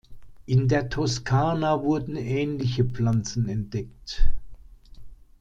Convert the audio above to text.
In der Toskana wurden ähnliche Pflanzen entdeckt.